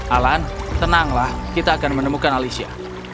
alan tenanglah kita akan menemukan alicia